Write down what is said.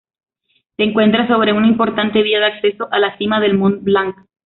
Se encuentra sobre una importante vía de acceso a la cima del Mont Blanc.